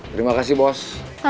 terima kasih bos